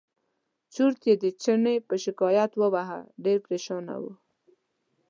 چورت یې د چڼي په شکایت وواهه ډېر پرېشانه و.